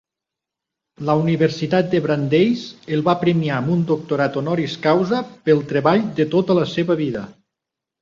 La Universitat de Brandeis, el va premiar amb un Doctorat Honoris causa pel treball de tota la seva vida.